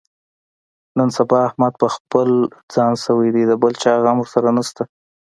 نن سبا احمد په خپل ځان شوی دی، د بل چا غم ورسره نشته.